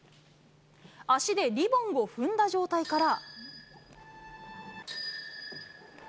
足でリボンを踏んだ状態から。